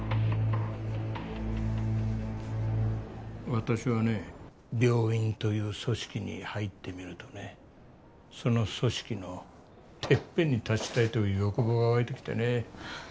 私はね病院という組織に入ってみるとねその組織のてっぺんに立ちたいという欲望が湧いてきてね。